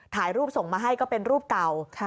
ถ่ายรูปส่งมาให้ก็เป็นรูปเก่า